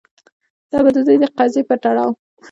دا به د دوی د قضیې په تړاو